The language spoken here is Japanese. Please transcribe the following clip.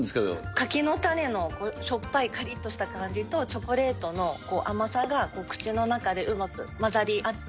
柿の種のしょっぱいかりっとした感じと、チョコレートの甘さが、口の中でうまく混ざり合って。